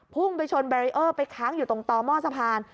พุ่งไปชนแบรีเออร์ไปค้างอยู่ตรงต่อหม้อสะพาน